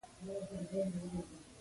باسواده ته په پښتو کې لوستی وايي.